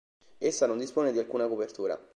Essa non dispone di alcuna copertura.